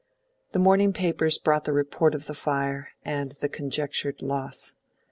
The morning papers brought the report of the fire, and the conjectured loss.